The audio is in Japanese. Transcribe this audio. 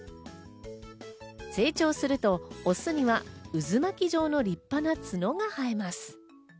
成長すると、オスには渦巻き状の立派な角が生えます。